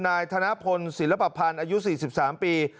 นายธนพลศิลปพันธ์อายุ๔๓ปี